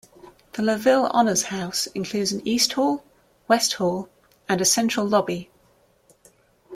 The Laville Honors House includes an East Hall, West Hall, and central lobby.